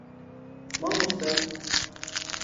Mamoste